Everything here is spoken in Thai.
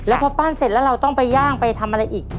แล้วพอปั้นเสร็จแล้วเราต้องไปย่างไปทำอะไรอีก